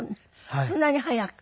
そんなに早く？